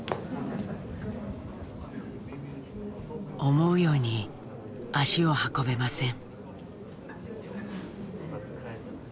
思うように足を運べません。